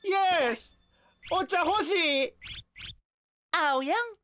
あおやん